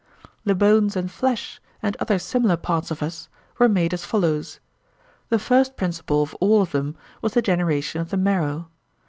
The bones and flesh, and other similar parts of us, were made as follows. The first principle of all of them was the generation of the marrow.